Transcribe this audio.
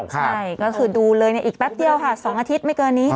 ใช่ก็คือดูเลยในอีกแป๊บเดียวค่ะ๒อาทิตย์ไม่เกินนี้